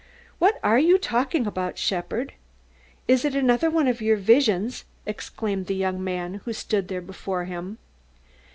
"What are you talking about, shepherd? Is it another one of your visions?" exclaimed the young fellow who stood there before him.